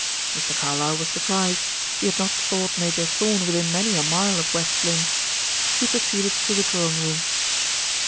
Mr. Carlyle was surprised. He had not thought Major Thorn within many a mile of West Lynne. He proceeded to the drawing room.